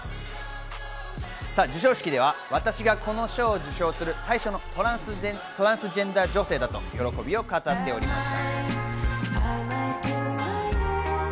授賞式では、私がこの賞を受賞する最初のトランスジェンダー女性だと喜びを語っておりました。